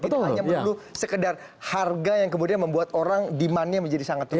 hanya perlu sekedar harga yang kemudian membuat orang demandnya menjadi sangat turun